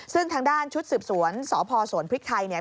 ซึ่งทางด้านชุดสืบสวนสพสวนพริกไทยเนี่ย